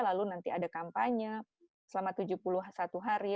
lalu nanti ada kampanye selama tujuh puluh satu hari